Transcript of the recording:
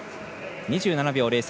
２７秒０３。